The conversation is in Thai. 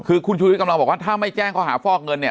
คือคุณชูวิทย์กำลังบอกว่าถ้าไม่แจ้งข้อหาฟอกเงินเนี่ย